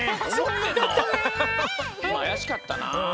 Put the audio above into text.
いまあやしかったなあ。